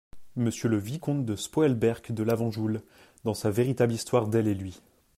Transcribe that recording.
Monsieur le vicomte de Spoelberch de Lovenjoul, dans sa VÉRITABLE HISTOIRE D'ELLE ET LUI (C.